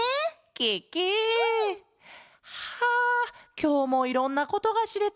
ケケ！はあきょうもいろんなことがしれた。